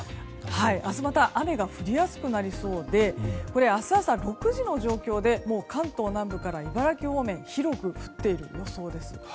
明日また雨が降りやすくなりそうで明日朝６時の状況でもう関東南部から茨城方面広く降っている予想です。